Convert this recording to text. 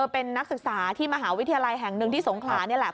เป็นนักศึกษาที่มหาวิทยาลัยแห่งหนึ่งที่สงขลานี่แหละ